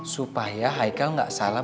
supaya haikal gak salah